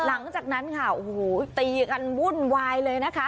หลังจากนั้นค่ะโอ้โหตีกันวุ่นวายเลยนะคะ